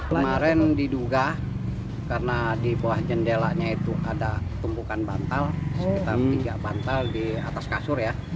kemarin diduga karena dibawah jendelanya itu ada tumpukan bantal kita minta bantal di atas kasur ya